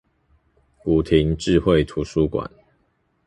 古亭智慧圖書館